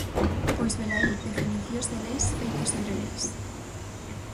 Pois velaí, definicións e leis feitas sobre leis.